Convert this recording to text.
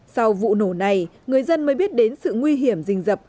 sau vụ nổ này người dân mới biết đến sự nguy hiểm rình rập